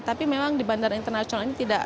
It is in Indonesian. tapi memang di bandara internasional ini tidak